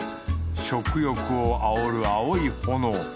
食欲をあおる青い炎。